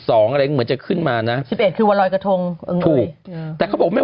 สูงสุดอยู่ก่อน